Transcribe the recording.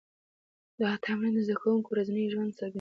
دا تمرین د زده کوونکو ورځنی ژوند څرګندوي.